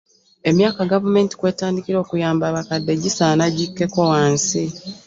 Emyaka gavumenti kw'etandikira okuyamba abakadde gisaana gikkeko wansi.